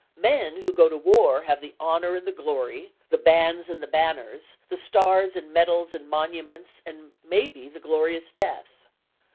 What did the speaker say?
Men who go to war have the honour and the glory, the bands and the banners, the stars and medals and monuments and maybe the glorious death.